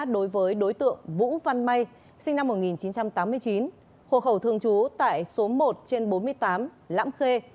đối với đối tượng vũ văn may sinh năm một nghìn chín trăm tám mươi chín hộ khẩu thường trú tại số một trên bốn mươi tám lãm khê